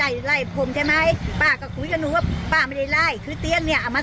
อ่าแล้วเจ้าของอะไร